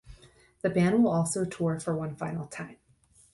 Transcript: The band will also tour for one final time.